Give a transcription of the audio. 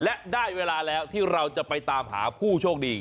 และได้เวลาแล้วที่เราจะไปตามหาผู้โชคดี